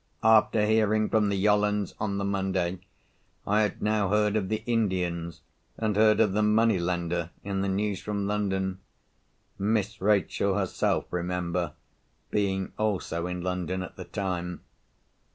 After hearing from the Yollands on the Monday, I had now heard of the Indians, and heard of the money lender, in the news from London—Miss Rachel herself remember, being also in London at the time.